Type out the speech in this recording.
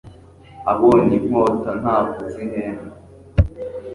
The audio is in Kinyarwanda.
abonye inkota ntavuze ihembe